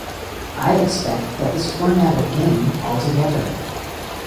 I expect that this format of game altogether.